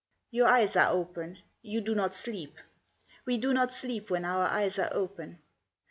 " Your eyes are open ; you do not sleep. We do not sleep when our eyes are open.